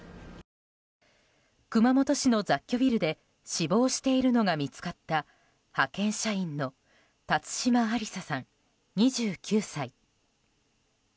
熊本市の雑居ビルで死亡しているのが見つかった派遣社員の辰島ありささん、２９歳。